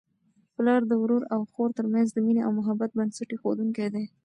پلار د ورور او خور ترمنځ د مینې او محبت بنسټ ایښودونکی دی.